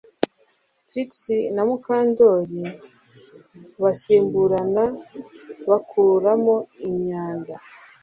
Trix na Mukandoli basimburana bakuramo imyanda